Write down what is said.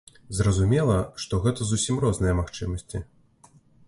Зразумела, што гэта зусім розныя магчымасці.